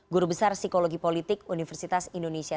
guru besar psikologi politik universitas indonesia